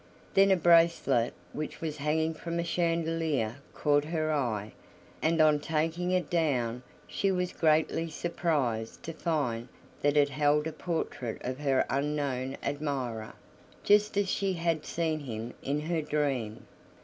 Then a bracelet which was hanging from a chandelier caught her eye, and on taking it down she was greatly surprised to find that it held a portrait of her unknown admirer, just as she had seen him in her dream.